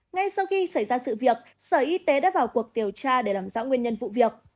ngay sau khi xảy ra sự việc sở y tế đã vào cuộc điều tra để làm rõ nguyên nhân vụ việc